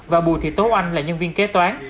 và bùi thị tố oanh là nhân viên kế toán